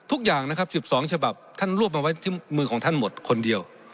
ทุกอย่างนะครับ๑๒ฉบับท่านรวบมาไว้ที่มือของท่านหมดคนเดียว